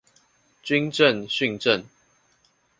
軍政、訓政